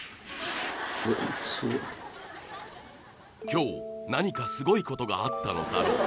今日何かすごいことがあったのだろう